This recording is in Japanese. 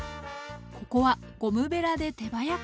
ここはゴムべらで手早く。